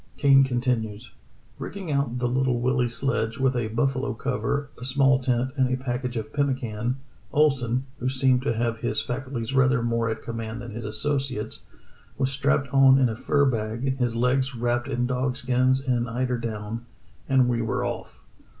Kane continues: "Rigging out the Little Willie sledge with a buffalo cover, a small tent, and a package of pemmican, Ohlsen (who seemed to have his faculties rather more at command than his associates) was strapped on in a fur bag, his legs wrapped in dog skins and eider down, and we were off.